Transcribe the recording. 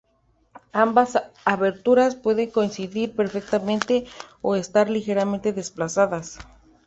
Ambas aberturas pueden coincidir perfectamente o estar ligeramente desplazadas.